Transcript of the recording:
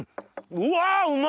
うわうまっ！